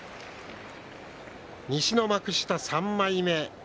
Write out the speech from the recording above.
西の幕下３枚目。